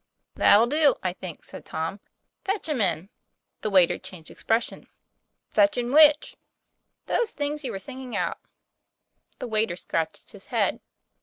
"That'll do, I think," said Tom: "fetch 'em in." TOM PLA YFAIR. 129 The waiter changed expression. " Fetch in which ?" 'Those things you were singing out." The waiter scratched his head.